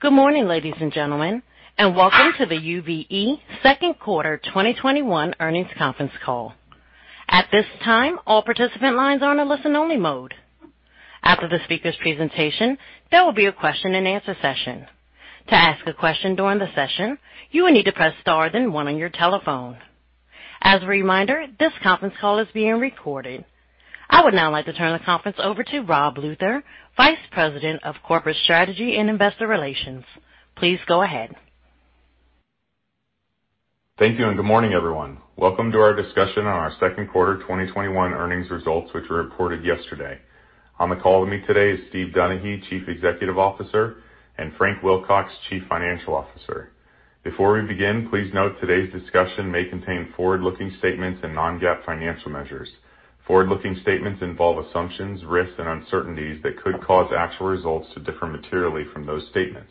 Good morning, ladies and gentlemen, and welcome to the UVE second quarter 2021 earnings conference call. At this time, all participant lines are in a listen only mode. After the speaker's presentation, there will be a question and answer session. To ask a question during the session, you will need to press star then one on your telephone. As a reminder, this conference call is being recorded. I would now like to turn the conference over to Rob Luther, Vice President of Corporate Strategy and Investor Relations. Please go ahead. Thank you, and good morning, everyone. Welcome to our discussion on our second quarter 2021 earnings results, which were reported yesterday. On the call with me today is Steve Donaghy, Chief Executive Officer, and Frank Wilcox, Chief Financial Officer. Before we begin, please note today's discussion may contain forward-looking statements and non-GAAP financial measures. Forward-looking statements involve assumptions, risks, and uncertainties that could cause actual results to differ materially from those statements.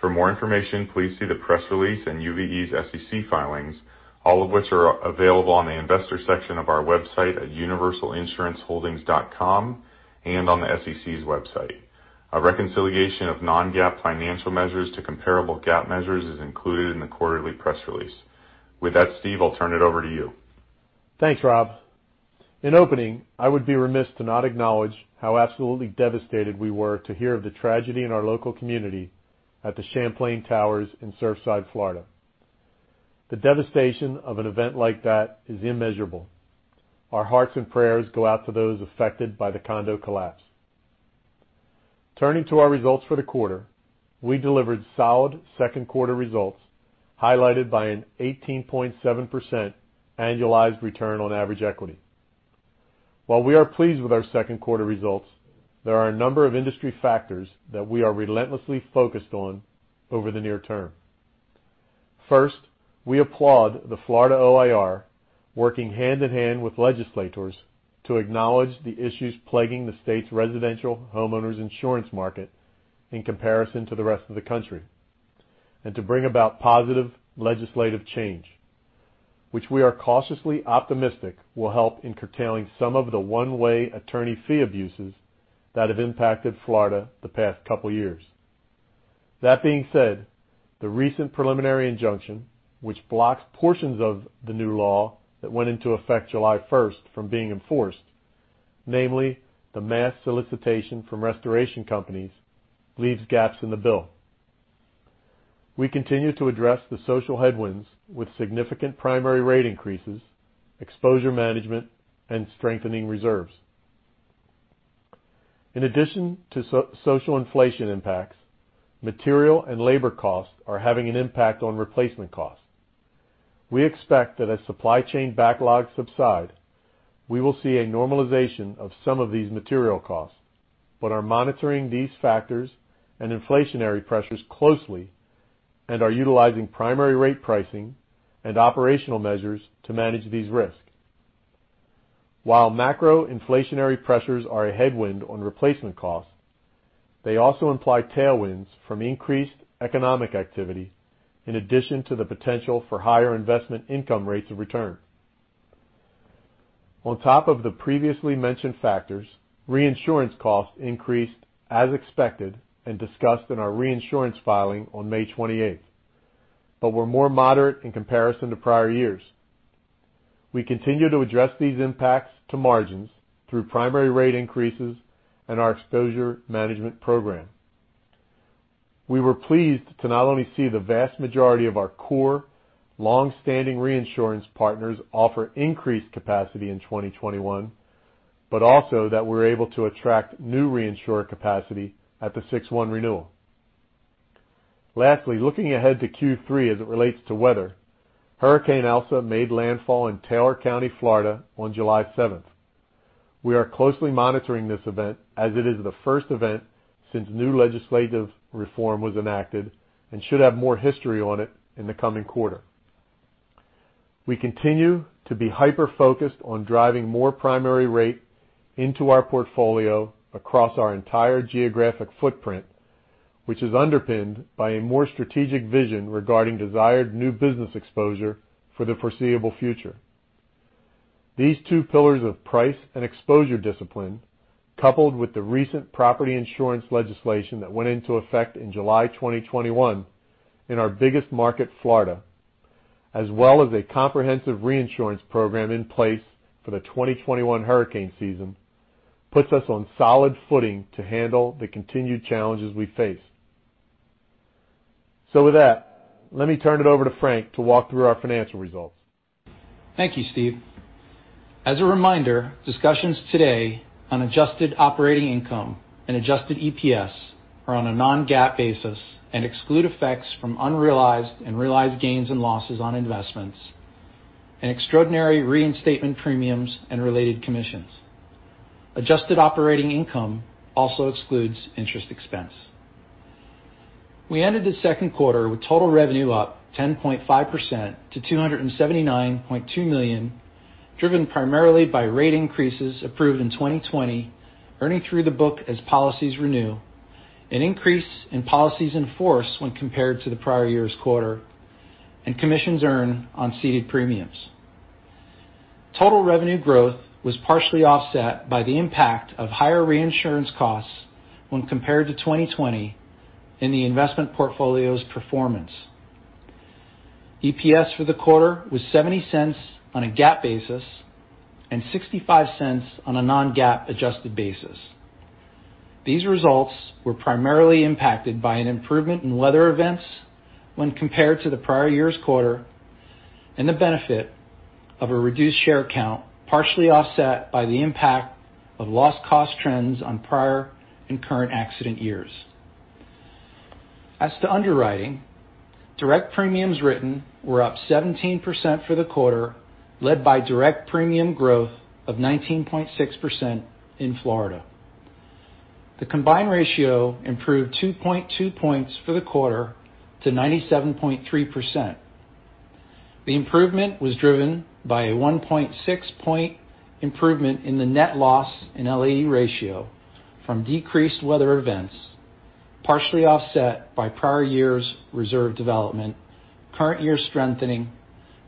For more information, please see the press release and UVE's SEC filings, all of which are available on the investor section of our website at universalinsuranceholdings.com and on the SEC's website. A reconciliation of non-GAAP financial measures to comparable GAAP measures is included in the quarterly press release. With that, Steve, I'll turn it over to you. Thanks, Rob. In opening, I would be remiss to not acknowledge how absolutely devastated we were to hear of the tragedy in our local community at the Champlain Towers in Surfside, Florida. The devastation of an event like that is immeasurable. Our hearts and prayers go out to those affected by the condo collapse. Turning to our results for the quarter, we delivered solid second quarter results, highlighted by an 18.7% annualized return on average equity. While we are pleased with our second quarter results, there are a number of industry factors that we are relentlessly focused on over the near term. First, we applaud the Florida OIR working hand in hand with legislators to acknowledge the issues plaguing the state's residential homeowners insurance market in comparison to the rest of the country. To bring about positive legislative change, which we are cautiously optimistic will help in curtailing some of the one-way attorney fee abuses that have impacted Florida the past couple of years. That being said, the recent preliminary injunction, which blocks portions of the new law that went into effect July 1st from being enforced, namely the mass solicitation from restoration companies, leaves gaps in the bill. We continue to address the social headwinds with significant primary rate increases, exposure management, and strengthening reserves. In addition to social inflation impacts, material and labor costs are having an impact on replacement costs. We expect that as supply chain backlogs subside, we will see a normalization of some of these material costs but are monitoring these factors and inflationary pressures closely and are utilizing primary rate pricing and operational measures to manage these risks. While macro inflationary pressures are a headwind on replacement costs, they also imply tailwinds from increased economic activity in addition to the potential for higher investment income rates of return. On top of the previously mentioned factors, reinsurance costs increased as expected and discussed in our reinsurance filing on May 28th but were more moderate in comparison to prior years. We continue to address these impacts to margins through primary rate increases and our exposure management program. We were pleased to not only see the vast majority of our core longstanding reinsurance partners offer increased capacity in 2021, but also that we're able to attract new reinsurer capacity at the 6/1 renewal. Lastly, looking ahead to Q3 as it relates to weather, Hurricane Elsa made landfall in Taylor County, Florida on July 7th. We are closely monitoring this event as it is the first event since new legislative reform was enacted and should have more history on it in the coming quarter. We continue to be hyper-focused on driving more primary rate into our portfolio across our entire geographic footprint, which is underpinned by a more strategic vision regarding desired new business exposure for the foreseeable future. These two pillars of price and exposure discipline, coupled with the recent property insurance legislation that went into effect in July 2021 in our biggest market, Florida, as well as a comprehensive reinsurance program in place for the 2021 hurricane season, puts us on solid footing to handle the continued challenges we face. With that, let me turn it over to Frank to walk through our financial results. Thank you, Steve. As a reminder, discussions today on adjusted operating income and Adjusted EPS are on a non-GAAP basis and exclude effects from unrealized and realized gains and losses on investments and extraordinary reinstatement premiums and related commissions. Adjusted operating income also excludes interest expense. We ended the second quarter with total revenue up 10.5% to $279.2 million, driven primarily by rate increases approved in 2020, earning through the book as policies renew, an increase in policies in force when compared to the prior year's quarter, and commissions earned on ceded premiums. Total revenue growth was partially offset by the impact of higher reinsurance costs when compared to 2020 in the investment portfolio's performance. EPS for the quarter was $0.70 on a GAAP basis and $0.65 on a non-GAAP adjusted basis. These results were primarily impacted by an improvement in weather events when compared to the prior year's quarter and the benefit of a reduced share count, partially offset by the impact of loss cost trends on prior and current accident years. As to underwriting, direct premiums written were up 17% for the quarter, led by direct premium growth of 19.6% in Florida. The combined ratio improved 2.2 points for the quarter to 97.3%. The improvement was driven by a 1.6 point improvement in the net loss and LAE ratio from decreased weather events, partially offset by prior years' reserve development, current year strengthening,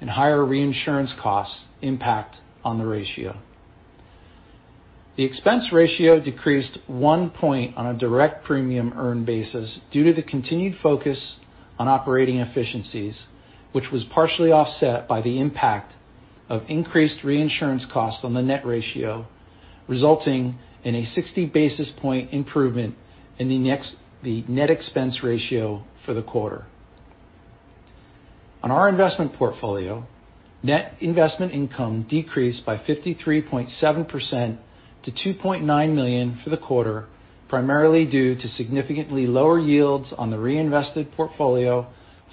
and higher reinsurance costs impact on the ratio. The expense ratio decreased 1 point on a direct premium earned basis due to the continued focus on operating efficiencies, which was partially offset by the impact of increased reinsurance costs on the net ratio, resulting in a 60-basis point improvement in the net expense ratio for the quarter. On our investment portfolio, net investment income decreased by 53.7% to $2.9 million for the quarter, primarily due to significantly lower yields on the reinvested portfolio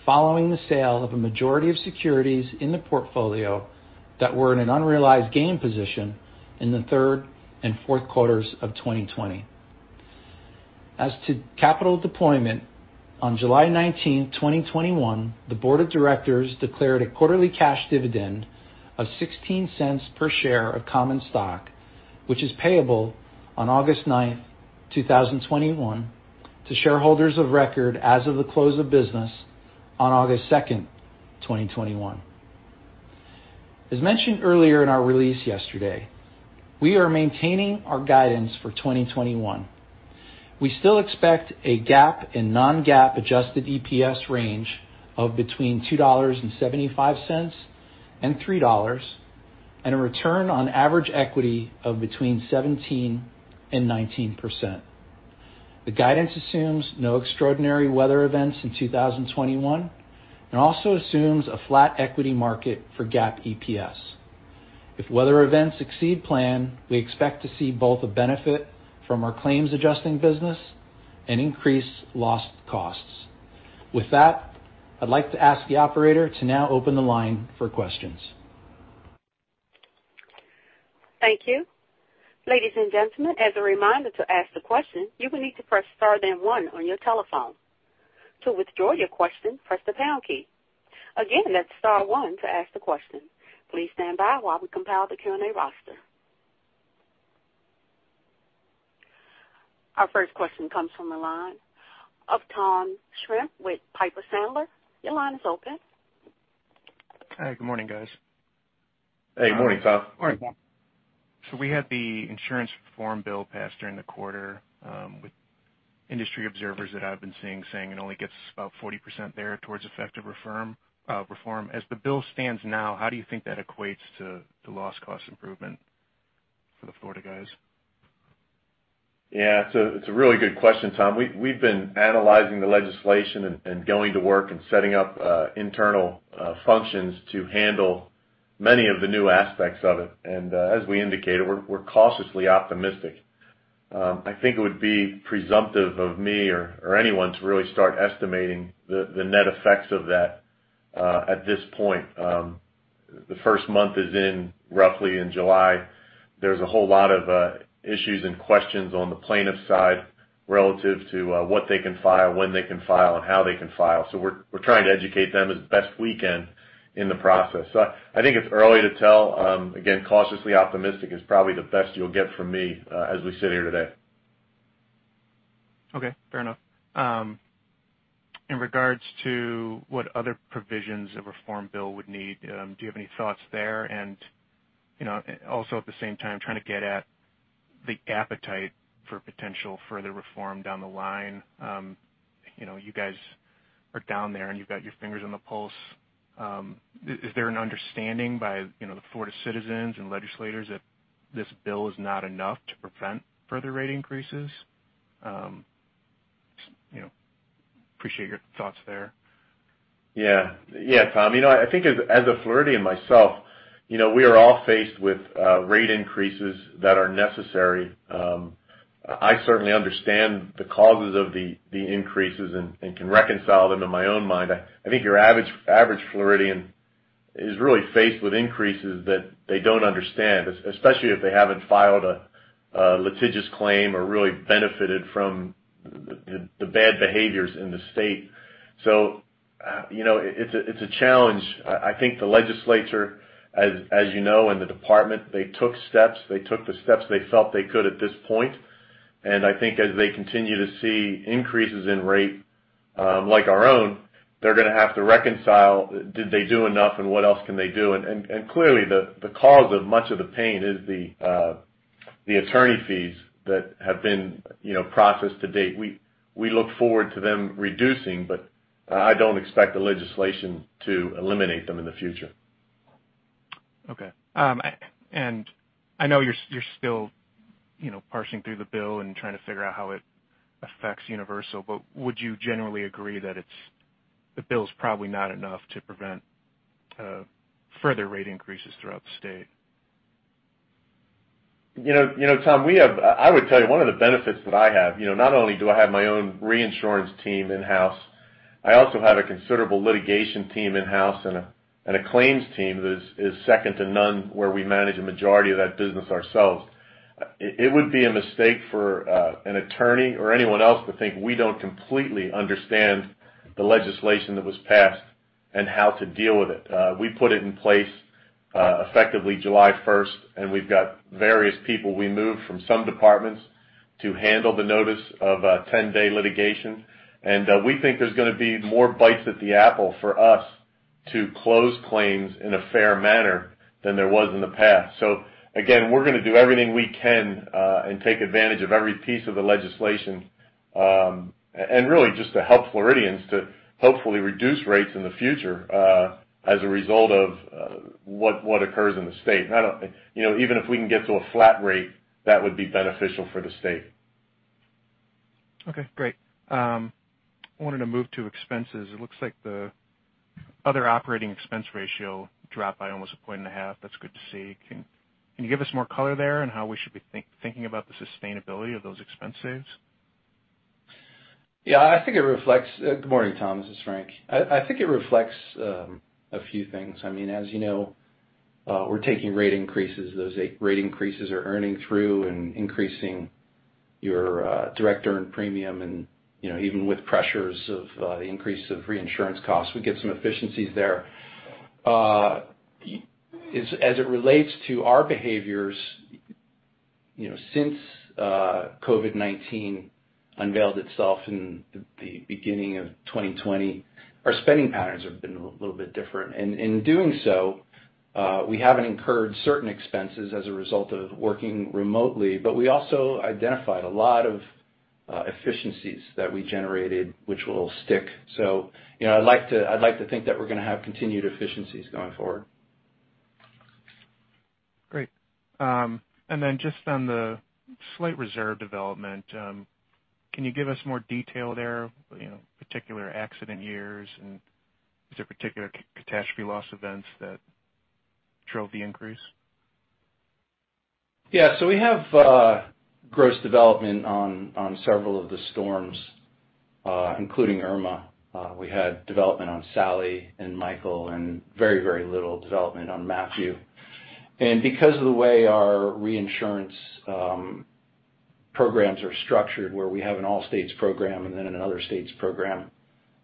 following the sale of a majority of securities in the portfolio that were in an unrealized gain position in the third and fourth quarters of 2020. As to capital deployment, on July 19, 2021, the Board of Directors declared a quarterly cash dividend of $0.16 per share of common stock, which is payable on August 9th, 2021, to shareholders of record as of the close of business on August 2nd, 2021. As mentioned earlier in our release yesterday, we are maintaining our guidance for 2021. We still expect a GAAP and non-GAAP Adjusted EPS range of between $2.75 and $3, and a return on average equity of between 17% and 19%. The guidance assumes no extraordinary weather events in 2021 and also assumes a flat equity market for GAAP EPS. If weather events exceed plan, we expect to see both a benefit from our claims adjusting business and increased loss costs. With that, I'd like to ask the operator to now open the line for questions. Thank you. Ladies and gentlemen, as a reminder, to ask the question, you will need to press star, then one on your telephone. To withdraw your question, press the pound key. Again, that's star one to ask the question. Please stand by while we compile the Q&A roster. Our first question comes from the line of Tom Shimp with Piper Sandler. Your line is open. Hi, good morning, guys. Hey, good morning, Tom. Morning. We had the insurance reform bill passed during the quarter, with industry observers that I've been seeing saying it only gets us about 40% there towards effective reform. As the bill stands now, how do you think that equates to loss cost improvement for the Florida guys? It's a really good question, Tom. We've been analyzing the legislation and going to work and setting up internal functions to handle many of the new aspects of it. As we indicated, we're cautiously optimistic. I think it would be presumptive of me or anyone to really start estimating the net effects of that at this point. The first month is in roughly in July. There's a whole lot of issues and questions on the plaintiff's side relative to what they can file, when they can file, and how they can file. We're trying to educate them as best we can in the process. I think it's early to tell. Again, cautiously optimistic is probably the best you'll get from me as we sit here today. Okay, fair enough. In regards to what other provisions a reform bill would need, do you have any thoughts there? Also at the same time, trying to get at the appetite for potential further reform down the line. You guys are down there, and you've got your fingers on the pulse. Is there an understanding by the Florida citizens and legislators that this bill is not enough to prevent further rate increases? Appreciate your thoughts there. Yeah, Tom. I think as a Floridian myself, we are all faced with rate increases that are necessary. I certainly understand the causes of the increases and can reconcile them in my own mind. I think your average Floridian is really faced with increases that they don't understand, especially if they haven't filed a litigious claim or really benefited from the bad behaviors in the state. It's a challenge. I think the legislature, as you know, and the Department, they took steps. They took the steps they felt they could at this point. I think as they continue to see increases in rate like our own, they're going to have to reconcile did they do enough and what else can they do. Clearly, the cause of much of the pain is the attorney fees that have been processed to date. We look forward to them reducing, but I don't expect the legislation to eliminate them in the future. Okay. I know you're still parsing through the bill and trying to figure out how it affects Universal, but would you generally agree that the bill's probably not enough to prevent further rate increases throughout the state? Tom, I would tell you, one of the benefits that I have, not only do I have my own reinsurance team in-house, I also have a considerable litigation team in-house and a claims team that is second to none, where we manage a majority of that business ourselves. It would be a mistake for an attorney or anyone else to think we don't completely understand the legislation that was passed and how to deal with it. We put it in place effectively July 1st, and we've got various people we moved from some departments to handle the notice of a 10-day litigation. We think there's going to be more bites at the apple for us to close claims in a fair manner than there was in the past. Again, we're going to do everything we can and take advantage of every piece of the legislation, and really just to help Floridians to hopefully reduce rates in the future as a result of what occurs in the state. Even if we can get to a flat rate, that would be beneficial for the state. Okay, great. I wanted to move to expenses. It looks like the other operating expense ratio dropped by almost a point and a half. That's good to see. Can you give us more color there on how we should be thinking about the sustainability of those expense saves? Good morning, Tom. This is Frank. I think it reflects a few things. As you know, we're taking rate increases. Those rate increases are earning through and increasing your direct earned premium. Even with pressures of the increase of reinsurance costs, we get some efficiencies there. As it relates to our behaviors, since COVID-19 unveiled itself in the beginning of 2020, our spending patterns have been a little bit different. In doing so, we haven't incurred certain expenses as a result of working remotely. We also identified a lot of efficiencies that we generated, which will stick. I'd like to think that we're going to have continued efficiencies going forward. Great. Just on the slight reserve development, can you give us more detail there, particular accident years, and is there particular catastrophe loss events that drove the increase? We have gross development on several of the storms, including Irma. We had development on Sally and Michael, and very little development on Matthew. Because of the way our reinsurance programs are structured, where we have an all-states program and then an Other States program,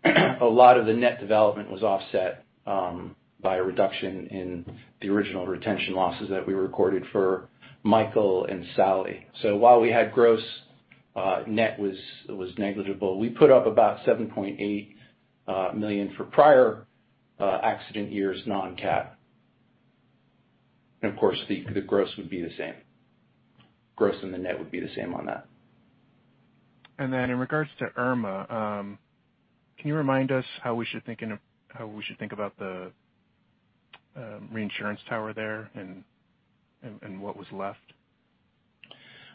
a lot of the net development was offset by a reduction in the original retention losses that we recorded for Michael and Sally. While we had gross, net was negligible. We put up about $7.8 million for prior accident years non-cat. Of course, the gross would be the same. Gross and the net would be the same on that. In regards to Irma, can you remind us how we should think about the reinsurance tower there and what was left?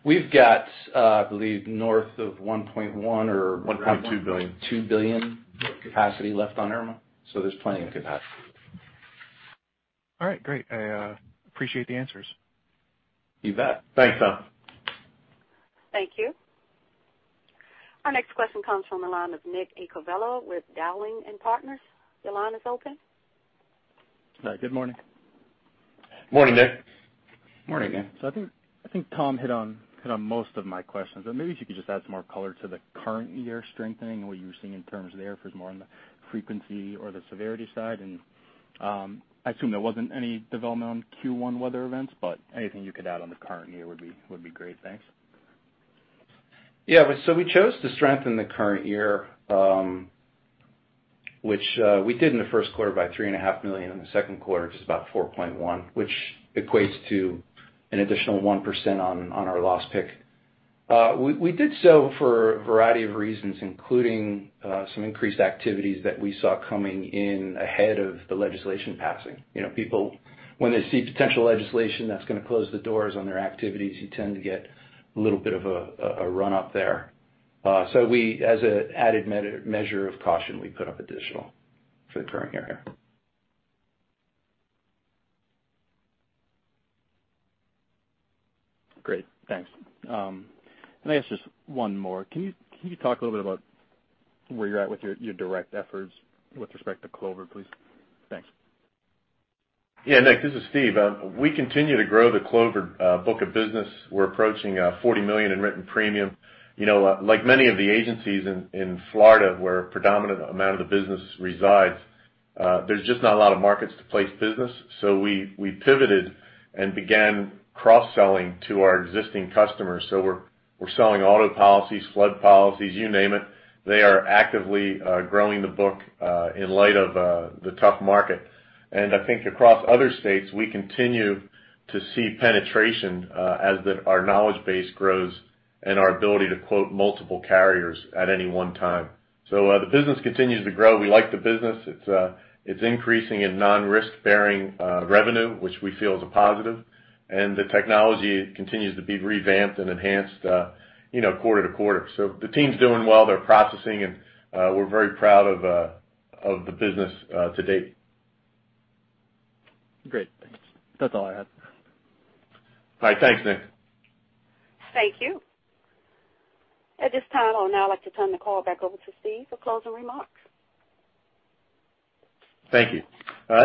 We've got, I believe, north of $1.1 billion or-. $1.2 billion $1.2 billion capacity left on Irma. There's plenty of capacity. All right. Great. I appreciate the answers. You bet. Thanks, Tom. Thank you. Our next question comes from the line of Nick Iacoviello with Dowling & Partners. Your line is open. Hi, good morning. Morning, Nick. Morning, Nick. I think Tom hit on most of my questions, but maybe if you could just add some more color to the current year strengthening and what you're seeing in terms of there? If it's more on the frequency or the severity side? I assume there wasn't any development on Q1 weather events, but anything you could add on the current year would be great. Thanks. Yeah. We chose to strengthen the current year, which we did in the first quarter by $3.5 million, in the second quarter, just about $4.1 million, which equates to an additional 1% on our loss pick. We did so for a variety of reasons, including some increased activities that we saw coming in ahead of the legislation passing. People, when they see potential legislation that's going to close the doors on their activities, you tend to get a little bit of a run-up there. As an added measure of caution, we put up additional for the current year here. Great, thanks. Can I ask just one more? Can you talk a little bit about where you're at with your direct efforts with respect to Universal Direct, please? Thanks. Yeah, Nick, this is Steve. We continue to grow the Clovered book of business. We're approaching $40 million in written premium. Like many of the agencies in Florida, where a predominant amount of the business resides, there's just not a lot of markets to place business. We pivoted and began cross-selling to our existing customers. We're selling auto policies, flood policies, you name it. They are actively growing the book in light of the tough market. I think across other states, we continue to see penetration as our knowledge base grows and our ability to quote multiple carriers at any one time. The business continues to grow. We like the business. It's increasing in non-risk-bearing revenue, which we feel is a positive. The technology continues to be revamped and enhanced quarter-over-quarter. The team's doing well. They're processing, and we're very proud of the business to date. Great. That's all I had. All right. Thanks, Nick. Thank you. At this time, I would now like to turn the call back over to Steve for closing remarks. Thank you.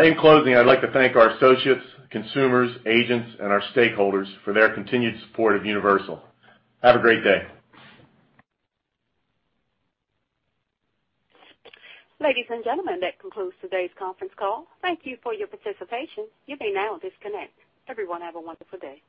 In closing, I'd like to thank our associates, consumers, agents, and our stakeholders for their continued support of Universal. Have a great day. Ladies and gentlemen, that concludes today's conference call. Thank you for your participation. You may now disconnect. Everyone have a wonderful day.